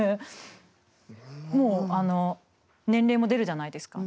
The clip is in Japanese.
もう年齢も出るじゃないですか。